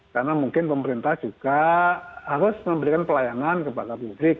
karena mungkin pemerintah juga harus memberikan pelayanan kepada publik